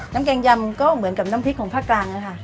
แกงยำก็เหมือนกับน้ำพริกของภาคกลางนะคะ